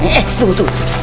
eh tunggu tunggu